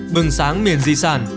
bừng sáng miền di sản